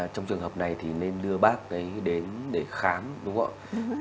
trong trường hợp này thì nên đưa bác ấy đến để khám đúng không ạ